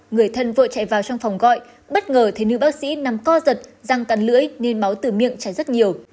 người thân vội chạy vào trong phòng gọi bất ngờ thấy nữ bác sĩ nằm co giật răng cắn lưỡi nên máu từ miệng chảy rất nhiều